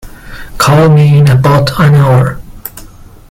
Call me in about an hour.